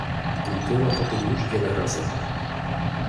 Mówiono o tym już wiele razy